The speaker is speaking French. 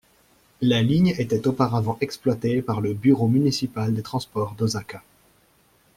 La ligne était auparavant exploitée par le Bureau municipal des transports d'Osaka.